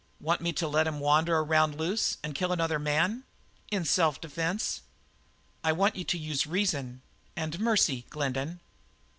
"Want me to let him wander around loose and kill another man in self defence?" "I want you to use reason and mercy, Glendin!